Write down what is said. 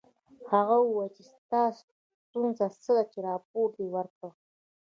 هغه وویل چې ستا ستونزه څه ده چې راپور دې ورکړ